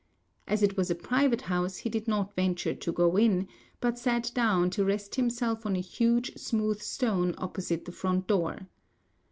As it was a private house he did not venture to go in, but sat down to rest himself on a huge smooth stone opposite the front door.